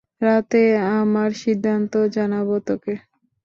রাতে আমার সিদ্ধান্ত জানাব তোকে।